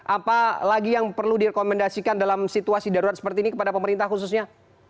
apalagi yang perlu direkomendasikan dalam situasi darurat seperti ini kepada pemerintah khususnya